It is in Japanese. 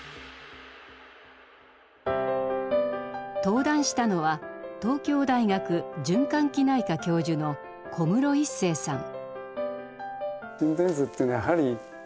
登壇したのは東京大学循環器内科教授の小室一成さん。